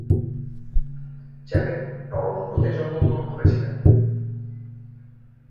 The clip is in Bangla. চ্যাপেল টরন্টোতে জন্মগ্রহণ করেছিলেন।